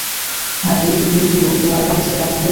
হ্যাঁঁ এই ইমেইলগুলো তোমার একাউন্ট থেকে পাঠানো হয়েছে?